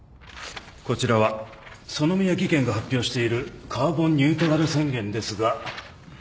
こちらはＳＯＮＯＭＩＹＡ技研が発表しているカーボンニュートラル宣言ですが。